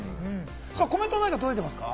コメント、何か届いてますか？